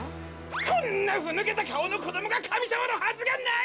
こんなふぬけたかおのこどもがかみさまのはずがない！